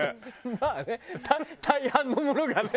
まあね大半のものがね。